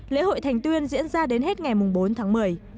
lễ hội thành tuyên diễn ra đến hết ngày bốn tháng một mươi